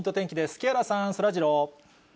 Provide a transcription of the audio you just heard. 木原さん、そらジロー。